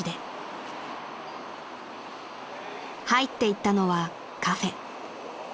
［入っていったのはカフェ］